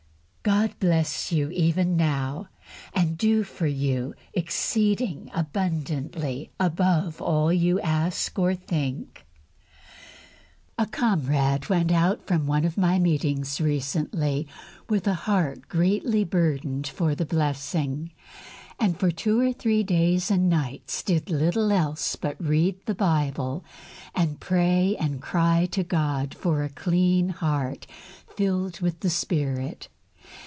God bless you even now, and do for you exceeding abundantly above all you ask or think! A comrade went from one of my meetings recently with a heart greatly burdened for the blessing, and for two or three days and nights did little else but read the Bible, and pray and cry to God for a clean heart filled with the Spirit.